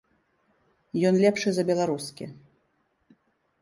Ён лепшы за беларускі.